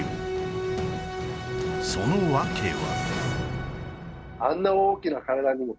その訳は